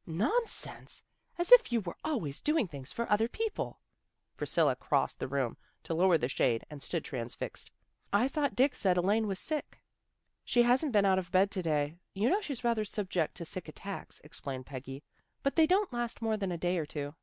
" Nonsense! As if you weren't always doing things for other people." Priscilla crossed the room to lower the shade and stood transfixed. " I thought Dick said Elaine was sick." 232 THE GIRLS OF FRIENDLY TERRACE " She hasn't been out of bed to day. You know she's rather subject to sick attacks," ex plained Peggy. " But they don't last more than a day or two."